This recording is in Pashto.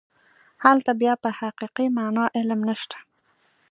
هلته بیا په حقیقي معنا علم نشته.